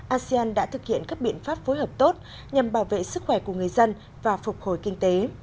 asean đã thực hiện các biện pháp phối hợp tốt nhằm bảo vệ sức khỏe của người dân và phục hồi kinh tế